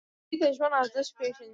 ژوندي د ژوند ارزښت پېژني